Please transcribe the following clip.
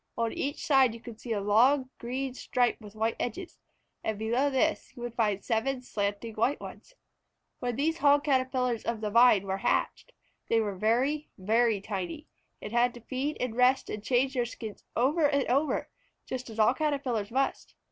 On each side you would see a long green stripe with white edges, and below this you would find seven slanting white ones. When these Hog Caterpillars of the Vine were hatched, they were very, very tiny, and had to feed and rest and change their skins over and over, just as all Caterpillars must.